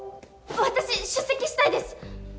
私出席したいです！